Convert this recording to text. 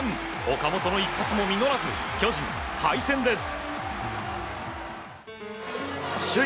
岡本の一発も実らず巨人、敗戦です。